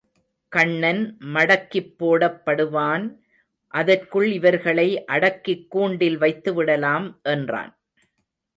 கண்ணன் மடக்கிப்போடப் படுவான் அதற்குள் இவர்களை அடக்கிக்கூண்டில் வைத்துவிடலாம் என்றான்.